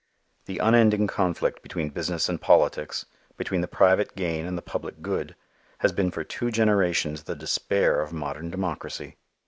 The unending conflict between business and politics, between the private gain and the public good, has been for two generations the despair of modern democracy.